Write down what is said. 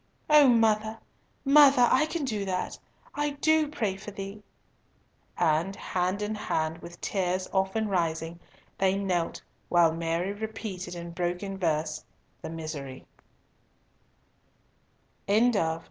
"O mother, mother, I can do that. I do pray for thee." And hand in hand with tears often rising, they knelt while Mary repeated in broken voice the Miserere.